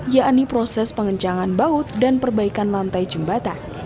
yakni proses pengencangan baut dan perbaikan lantai jembatan